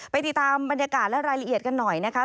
ติดตามบรรยากาศและรายละเอียดกันหน่อยนะคะ